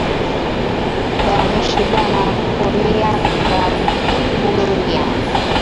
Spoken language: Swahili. Ba mushi bana kuryaka byura